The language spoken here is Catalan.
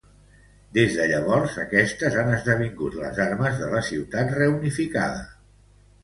Des de llavors, aquestes han esdevingut les armes de la ciutat reunificada.